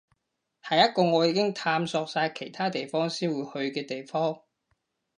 係一個我已經探索晒其他地方先會去嘅地方